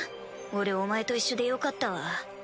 俺お前と一緒でよかったわ。